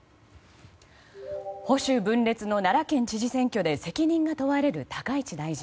保守分裂の奈良県知事選挙で責任が問われる高市大臣。